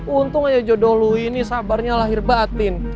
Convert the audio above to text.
untung aja jodoh lu ini sabarnya lahir batin